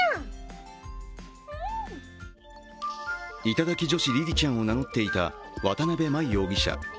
頂き女子りりちゃんを名乗っていた渡邊真衣容疑者。